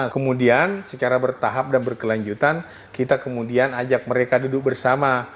kemudian secara bertahap dan berkelanjutan kita kemudian ajak mereka duduk bersama